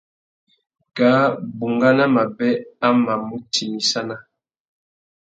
Kā bungana mabê a mà mù timissana.